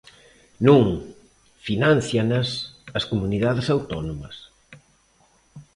Non, fináncianas as comunidades autónomas.